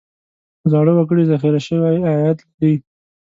زاړه وګړي ذخیره شوی عاید لري.